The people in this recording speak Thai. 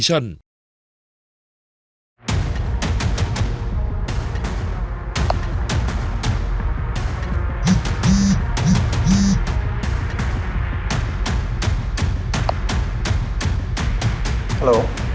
ฮัลโหล